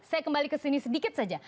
saya kembali ke sini sedikit saja